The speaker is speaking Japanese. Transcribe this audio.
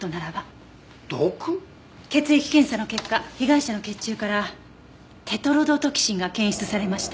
血液検査の結果被害者の血中からテトロドトキシンが検出されました。